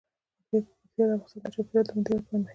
پکتیا د افغانستان د چاپیریال د مدیریت لپاره مهم دي.